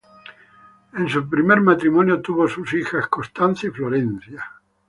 En su primer matrimonio tuvo sus hijas Constanza y Florencia.